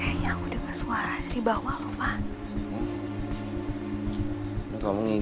ternyata mereka semua lalu lalu berada di sini